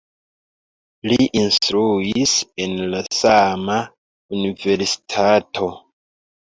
Li instruis en la sama universitato.